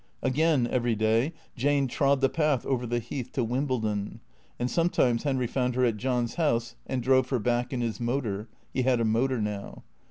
Again, every day, Jane trod the path over the Heath to Wim bledon. And sometimes Henry found her at John's house and drove her back in his motor (he had a motor now).